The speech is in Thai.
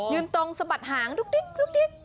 ยุนตรงสะบัดหางลุกดิ๊ย